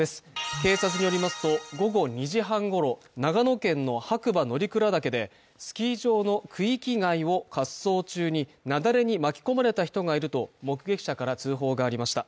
警察によりますと、午後２時半ごろ長野県の白馬乗鞍岳でスキー場の区域外を滑走中に雪崩に巻き込まれた人がいると目撃者から通報がありました。